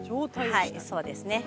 そうですね。